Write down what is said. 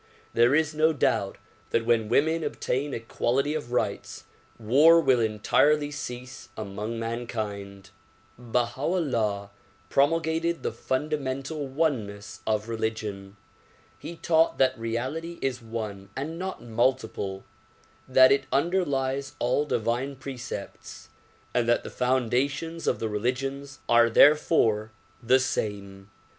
There is no doubt that when women obtain equality of rights war will entirely cease among mankind. Baha 'Ullah promulgated the fundamental oneness of religion. He taught that reality is one and not multiple, that it underlies all divine precepts and that the foundations of the religions are therefore the same.